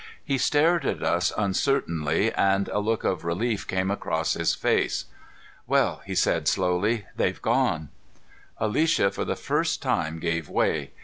He stared at us uncertainly, and a look of relief came across his face. "Well," he said slowly. "They've gone." Alicia, for the first time, gave way.